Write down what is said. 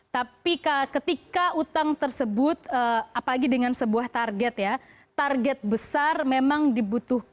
tapi ketika utang tersebut apalagi dengan sebuah target ya target besar memang dibutuhkan